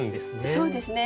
そうですね